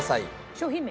商品名？